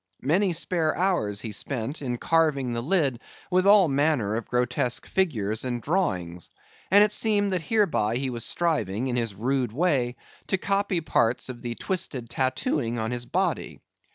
Many spare hours he spent, in carving the lid with all manner of grotesque figures and drawings; and it seemed that hereby he was striving, in his rude way, to copy parts of the twisted tattooing on his body.